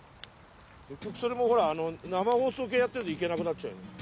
局それもほらあの生放送系やってるとけなくなっちゃう。